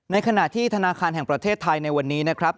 ในขณะที่ธนาคารแห่งประเทศไทยในวันนี้นะครับ